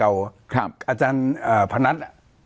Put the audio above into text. อาจารย์พนัท